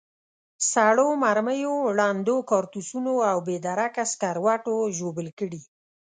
سړو مرمیو، ړندو کارتوسو او بې درکه سکروټو ژوبل کړي.